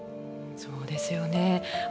そうですよね。